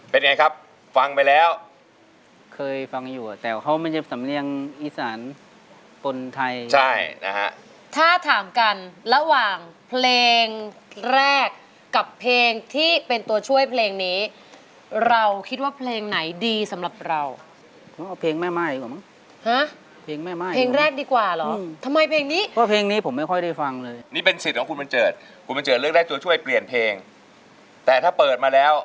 เป็นไงครับฟังไว้แล้วเคยฟังอยู่แต่เขาไม่ใช่สำเรียงอีสานคนไทยใช่นะฮะถ้าถามกันระหว่างเพลงแรกกับเพลงที่เป็นตัวช่วยเพลงนี้เราคิดว่าเพลงไหนดีสำหรับเราเพลงแม่ม่ายกว่าหรอเพลงแม่ม่ายเพลงแรกดีกว่าหรอทำไมเพลงนี้เพราะเพลงนี้ผมไม่ค่อยได้ฟังเลยนี่เป็นสิทธิ์ของคุณมันเจิดคุณมันเจิดเลือกได